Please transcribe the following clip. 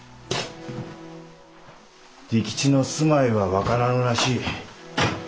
利吉の住まいは分からぬらしい